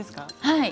はい。